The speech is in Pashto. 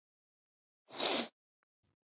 که میندې یو بل سره مشوره وکړي نو کار به نه وي خراب.